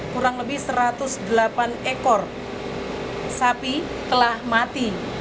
kurang lebih satu ratus delapan ekor sapi telah mati